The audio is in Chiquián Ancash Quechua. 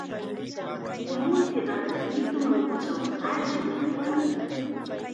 Mutiqa mitu mankachawmi alli yanukan.